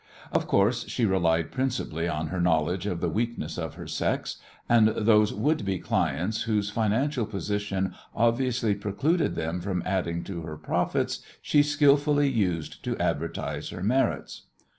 Of course, she relied principally on her knowledge of the weaknesses of her sex, and those would be clients whose financial position obviously precluded them from adding to her profits she skilfully used to advertise her merits.